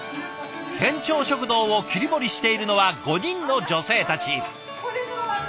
県庁食堂を切り盛りしているのは５人の女性たち。